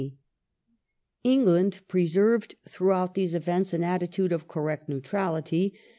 England England preserved throughout these events an attitude of ^^ correct neutrality.